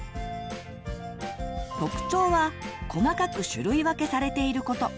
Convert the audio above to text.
特徴は細かく種類分けされていること。